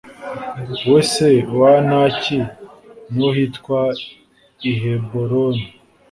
we se wa Anaki Ni ho hitwa i Heburoni